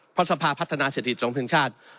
เพราะสภาพัฒนาเศรษฐกิจของเพลงชาติ